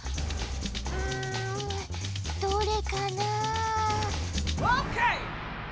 うん。どれかなあ？